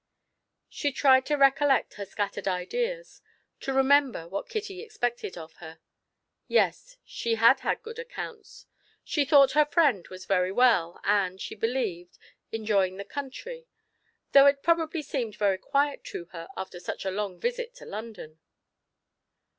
She tried to collect her scattered ideas, to remember what Kitty expected of her. Yes, she had had good accounts; she thought her friend was very well and, she believed, enjoying the country, though it probably seemed very quiet to her after such a long visit to London.